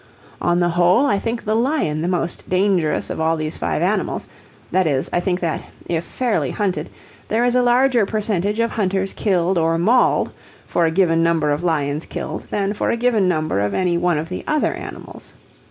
On the whole, I think the lion the most dangerous of all these five animals; that is, I think that, if fairly hunted, there is a larger percentage of hunters killed or mauled for a given number of lions killed than for a given number of any one of the other animals.